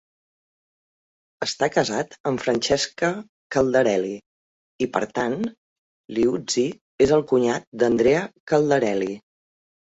Està casat amb Francesca Caldarelli i, per tant, Liuzzi és el cunyat d'Andrea Caldarelli.